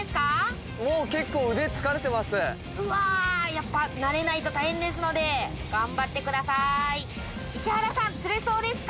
やっぱ慣れないと大変ですので頑張ってください。